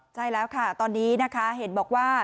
ใช่แล้วค่ะตอนนี้นะคะเห็นบอกว่า